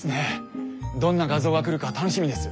どんな画像が来るか楽しみです。